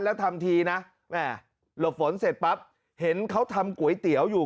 แล้วทำทีนะแม่หลบฝนเสร็จปั๊บเห็นเขาทำก๋วยเตี๋ยวอยู่